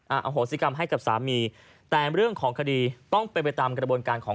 โหสิกรรมให้กับสามีแต่เรื่องของคดีต้องเป็นไปตามกระบวนการของ